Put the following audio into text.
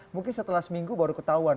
mungkin setelah seminggu baru ketahuan